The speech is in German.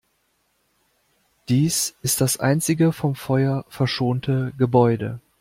Dies ist das einzige vom Feuer verschonte Gebäude.